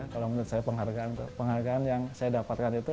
kalau menurut saya penghargaan yang saya dapatkan itu